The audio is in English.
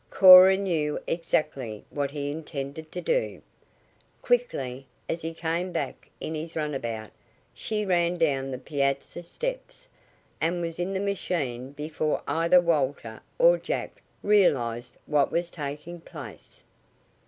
Cora knew exactly what he intended to do. Quickly, as he came back in his runabout, she ran down the piazza steps, and was in the machine before either Walter or Jack realized what was taking place.